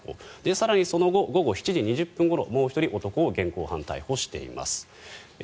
更に、その後午後７時２０分ごろもう１人、男を現行犯逮捕しています。